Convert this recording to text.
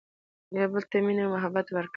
يو بل ته مينه محبت ور کړي